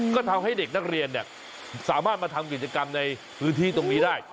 ก็ทำให้เด็กนักเรียนสามารถมาทำกิจกรรมในพื้นที่ตรงนี้ได้